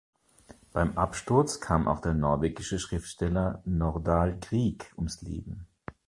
Beim Absturz kam auch der norwegische Schriftsteller Nordahl Grieg ums Leben.